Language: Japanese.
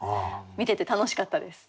見てて楽しかったです。